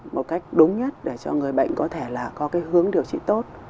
một cách đúng nhất để cho người bệnh có thể là có cái hướng điều trị tốt